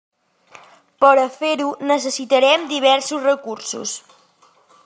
Per a fer-ho necessitarem diversos recursos.